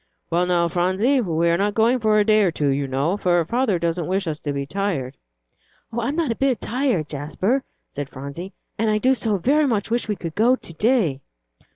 "Well, now, Phronsie, we are not going for a day or two, you know, for father doesn't wish us to be tired." "I'm not a bit tired, Jasper," said Phronsie, "and I do so very much wish we could go to day."